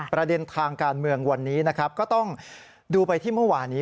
ประเด็นทางการเมืองวันนี้นะครับก็ต้องดูไปที่เมื่อวานี้